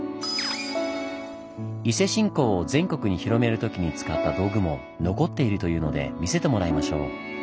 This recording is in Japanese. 伊勢信仰を全国に広める時に使った道具も残っているというので見せてもらいましょう。